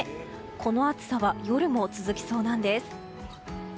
この暑さは夜も続きそうなんです。